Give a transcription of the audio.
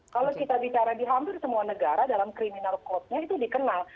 kalau kita bicara di hampir semua negara dalam criminal code nya itu dikenal